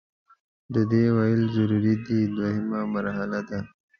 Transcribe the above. د دې ویل ضروري دي دوهمه مرحله ده.